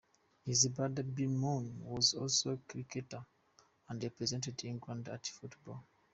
His brother, Billy Moon, was also a cricketer and represented England at football.